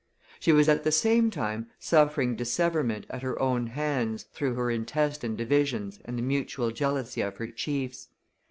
She was at the same time suffering disseverment at her own hands through her intestine divisions and the mutual jealousy of her chiefs.